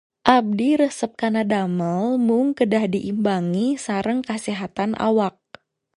Abdi resep kana damel mung kedah diimbangi sareng kasehatan awak